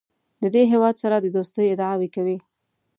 د دې هېواد سره د دوستۍ ادعاوې کوي.